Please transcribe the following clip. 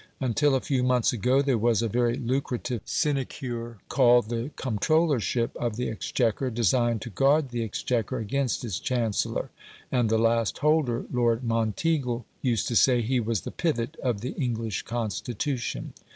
Until a few months ago there was a very lucrative sinecure called the "Comptrollership of the Exchequer," designed to guard the Exchequer against its Chancellor; and the last holder, Lord Monteagle, used to say he was the pivot of the English Constitution.